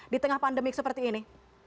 di tengah pandemi seperti ini